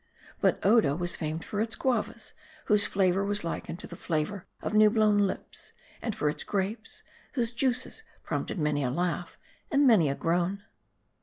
But Odo was famed for its guavas, whose flavor was likened to the flavor of new blown lips ; and for its grapes, whose juices prompted many a laugh and many a groan.